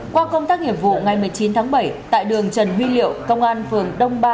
qua công tác nghiệp vụ ngày một mươi chín tháng bảy tại đường trần huy liệu công an phường đông ba